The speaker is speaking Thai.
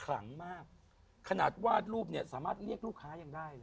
ลังมากขนาดวาดรูปเนี่ยสามารถเรียกลูกค้ายังได้เลย